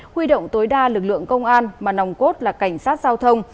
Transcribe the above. huy động tối đa lực lượng công an mà nòng cốt là cảnh sát giao thông